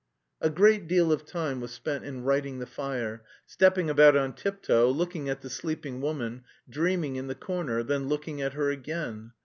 A great deal of time was spent in righting the fire, stepping about on tiptoe, looking at the sleeping woman, dreaming in the corner, then looking at her again.